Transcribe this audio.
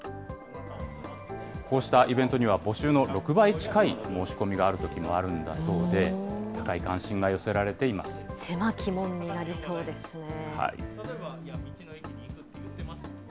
こうしたイベントには、募集の６倍近い申し込みがあるときもあるんだそうで、高い関心が狭き門になりそうですね。